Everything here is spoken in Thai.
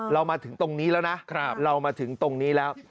เรามาถึงตรงนี้แล้วนะเรามาถึงตรงนี้แล้ว